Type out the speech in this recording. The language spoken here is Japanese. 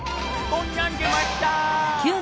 こんなん出ました。